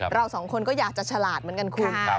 เราสองคนก็อยากจะฉลาดเหมือนกันคุณ